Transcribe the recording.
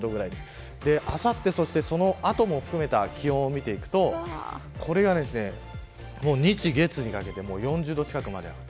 あさって、その後も含めた気温を見ていくと日曜日、月曜日にかけて４０度近くまで上がる。